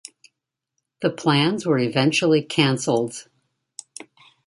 The plans were eventually cancelled.